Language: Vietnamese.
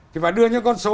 thì phải đưa những con số